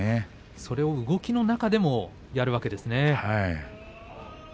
それを動きの中でやっているわけですね。